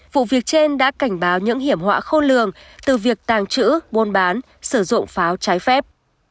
vụ việc trên đã cảnh báo những hiểm họa khôn lường từ việc tàng trữ buôn bán sử dụng pháo trái phép